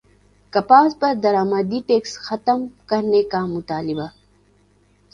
کپاس پر درامدی ٹیکس ختم کرنے کا مطالبہ